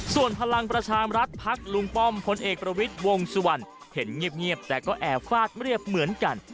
ส่วนพลังประชามรัฐพักลุงป้อมพลเอกประวิทย์วงสุวรรณเห็นเงียบแต่ก็แอบฟาดเรียบเหมือนกัน